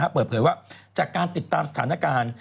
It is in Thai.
เปิดเผยว่าจากการติดตามสถานการณ์